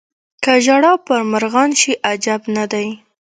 که ژړا پر مرغان شي عجب نه دی.